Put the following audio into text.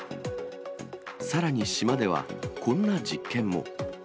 さらに島では、こんな実験も。